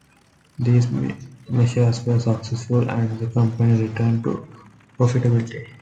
These measures were successful and the company returned to profitability.